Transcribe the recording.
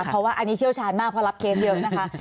เพราะว่าอันนี้เชี่ยวชาญมากเพราะรับเคสเยอะนะคะ